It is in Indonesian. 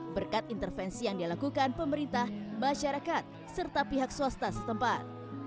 berkat intervensi yang dilakukan pemerintah masyarakat serta pihak swasta setempat